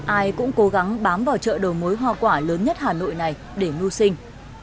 ai cũng cố gắng bám vào chợ đầu mối hoa quả lớn nhất hà nội này để mưu sinh